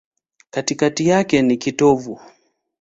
Katikati yake ni kitovu.